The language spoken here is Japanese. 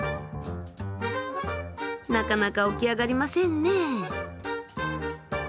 なかなか起き上がりませんね。